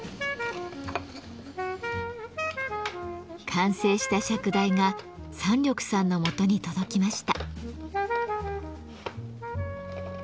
完成した釈台が山緑さんのもとに届きました。